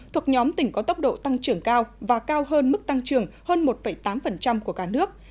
thuộc nhóm tỉnh có tốc độ tăng trưởng cao và cao hơn mức tăng trưởng hơn một tám của cả nước